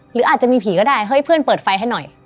หรืออาจจะมีผีก็ได้เฮ้ยเพื่อนเปิดไฟให้หน่อย